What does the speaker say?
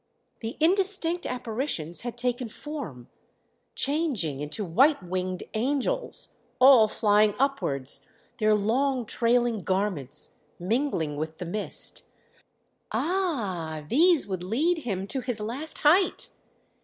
The indistinct apparitions had taken form, changing into white winged angels all flying upwards, their long trailing garments mingling with the mist. Ah! these would lead him to his last height!